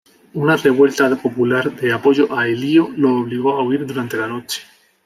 Una revuelta popular de apoyo a Elío lo obligó a huir durante la noche.